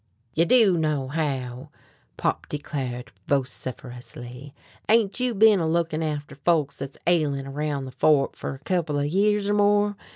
"You do know how," Pop declared vociferously; "ain't you bin a lookin' after folks thet's ailin' around the Fork fer a couple of years or more?